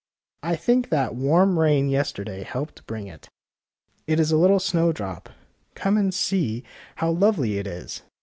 '' I think that warm rain yesterday helped bring it. It is a little snowdrop. Come and see how lovely it is!